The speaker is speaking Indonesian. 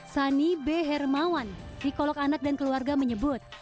sani b hermawan psikolog anak dan keluarga menyebut